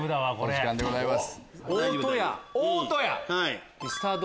時間でございます。